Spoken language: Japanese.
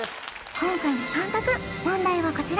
今回も３択問題はこちら